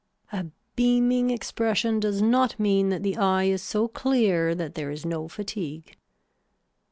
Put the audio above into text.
A beaming expression does not mean that the eye is so clear that there is no fatigue.